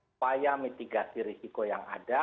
upaya mitigasi risiko yang ada